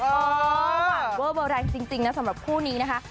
อ๋อหวานเวอร์เวอร์แรงจริงน่ะสำหรับผู้นี้นะคะ